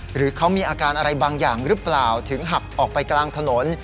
หรือเขามีอาการอะไรบางอย่างหรือเปล่าถึงหักออกไปกลางถนน